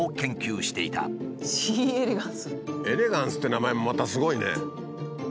「エレガンス」って名前もまたすごいね。